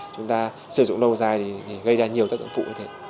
chúng ta sử dụng lâu dài thì gây ra nhiều tác dụng cụ